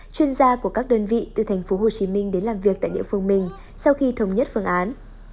chuyên gia của các đơn vị từ thành phố hồ chí minh đến làm việc tại địa phương mình sau khi thống nhất phương án